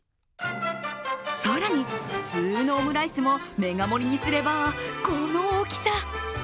更に、普通のオムライスもメガ盛りにすれば、この大きさ。